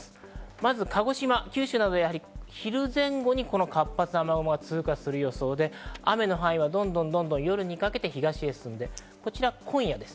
まず、九州、鹿児島などでは昼前後にこの活発な雨雲が通過する予想で雨の範囲はどんどん夜にかけて東へ進んで、こちら今夜です。